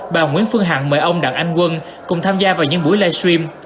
bà nguyễn phương hằng mời ông đặng anh quân cùng tham gia vào những buổi livestream